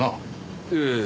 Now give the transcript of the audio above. ええ。